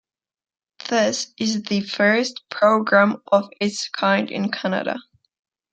This is the first program of its kind in Canada.